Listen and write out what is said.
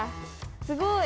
すごい。